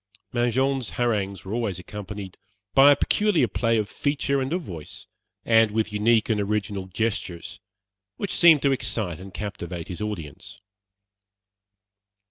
Mangin's harangues were always accompanied by a peculiar play of feature and of voice, and with unique and original gestures, which seemed to excite and captivate his audience.